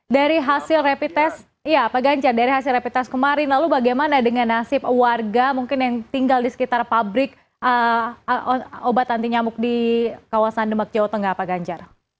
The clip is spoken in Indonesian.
dari hasil rapid test kemarin lalu bagaimana dengan nasib warga mungkin yang tinggal di sekitar pabrik obat anti nyamuk di kawasan demak jawa tengah pak ganjar